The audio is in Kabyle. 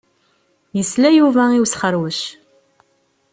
Yesla Yuba i usxeṛwec.